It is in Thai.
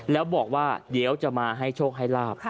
แล้วบอกว่าเดี๋ยวจะมาให้โชคให้ลาบ